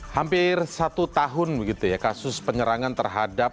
hampir satu tahun begitu ya kasus penyerangan terhadap